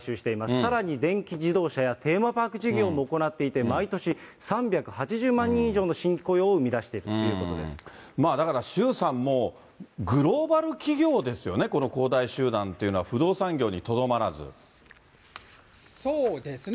さらに、電気自動車やテーマパーク事業も行っていて、毎年３８０万人以上の新規雇用を生み出していってるということでだから、周さん、もうグローバル企業ですよね、この恒大集団っていうのは、不動産業にとどまそうですね。